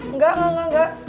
enggak enggak enggak